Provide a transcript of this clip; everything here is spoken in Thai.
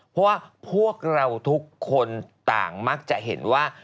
เพราะว่าพวกเราทุกคนต่างมักจะเห็นว่า